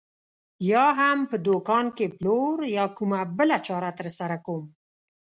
یا هم په دوکان کې پلور یا کومه بله چاره ترسره کوم.